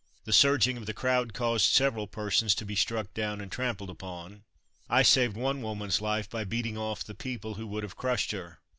The surging of the crowd caused several persons to be struck down and trampled upon. I saved one woman's life by beating off the people who would have crushed her.